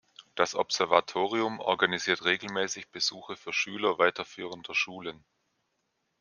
Das Observatorium organisiert regelmäßig Besuche für Schüler weiterführender Schulen.